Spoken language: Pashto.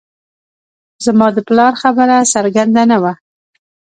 زما د پلار خبره څرګنده نه وه